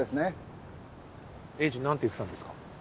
何て言ってたんですか？